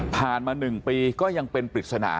ผ่านมา๑ปีก็ยังเป็นปริศนา